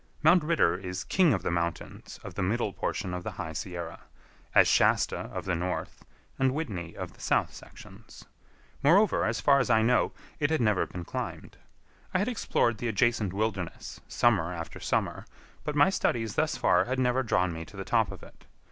Mount Ritter is king of the mountains of the middle portion of the High Sierra, as Shasta of the north and Whitney of the south sections. Moreover, as far as I know, it had never been climbed. I had explored the adjacent wilderness summer after summer, but my studies thus far had never drawn me to the top of it.